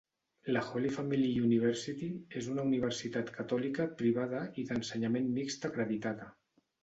La Holy Family University és una universitat catòlica, privada i d"ensenyament mixt acreditada.